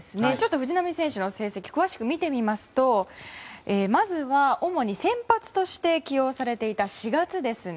藤浪選手の成績を詳しく見ますと、まず先発として起用されていた４月ですね。